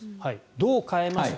どう変えましたか。